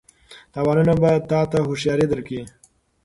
تاوانونه به تا ته هوښیاري درکړي.